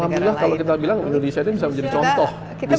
alhamdulillah kalau kita bilang indonesia ini bisa menjadi contoh